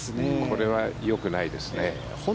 これはよくないですね。